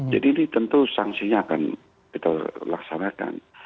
jadi ini tentu sanksinya akan kita laksanakan